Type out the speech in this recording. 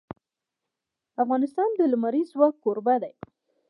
افغانستان د لمریز ځواک کوربه دی.